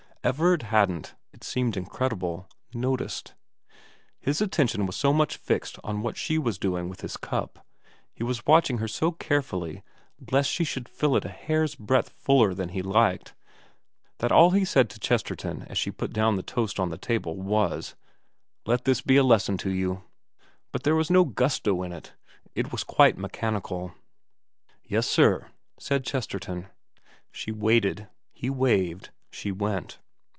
Everard hadn't it seemed incredible noticed. His attention was so much fixed on what she was doing with his cup, he was watching her so carefully lest she should fill it a hair's breadth fuller than he liked, that all he said to Chesterton as she put the toast on the table was, ' Let this be a lesson to you.' But there was no gusto in it ; it was quite mechanical. ' Yes sir,' said Chesterton. She waited. He waved. She went.